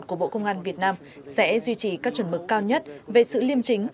của bộ công an việt nam sẽ duy trì các chuẩn mực cao nhất về sự liêm chính